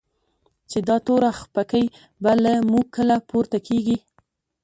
چی دا توره خپکی به؛ له موږ کله پورته کیږی